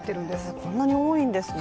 こんなに多いんですね。